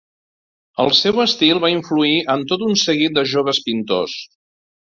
El seu estil va influir en tot un seguit de joves pintors.